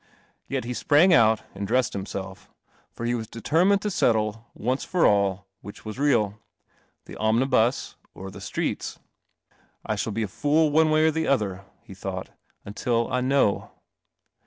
Yet he sprang out and dressed himself, for he was determined to settle once for all which was real: the omnibus or the streets. " I shall be a fool one way or the other," he thought, " until I know."